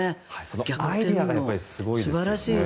そのアイデアがすごいですよね。